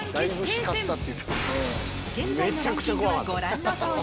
現在のランキングはご覧の通り